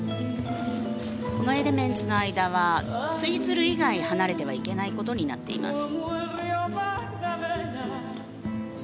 このエレメンツの間はツイズル以外離れてはいけないことになっています。